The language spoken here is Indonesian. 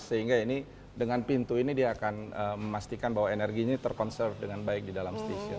sehingga ini dengan pintu ini dia akan memastikan bahwa energinya terkonserve dengan baik di dalam stasiun